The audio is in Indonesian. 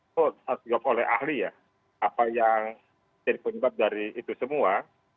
jadi itu juga oleh ahli ya apa yang jadi penyebab dari itu semua